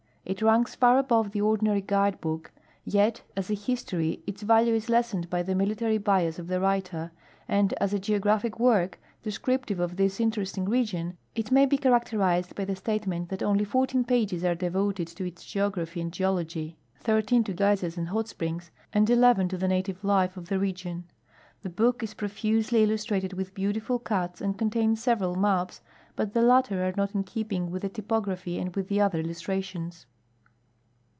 It ranks for above the ordinary guide book, yet as a history its value is lessened b\' the military bias of the writer, and as a geographic work, descrij^tive of this interesting region, it may be characterized by the statement tliat onh' 14 pages are devoted to its geography and geology, 13 to geysers and hot springs, and 11 to the native life of the region. The book is profusely illustrated with beautiful cuts, and contains several maps, but the latter are not in keeping with the typography and with the other illustrations.